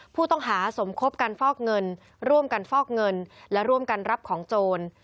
ผู้ต้องหาสมคบกันฟอกเงินร่วมกันฟอกเงินและร่วมกันรับของโจร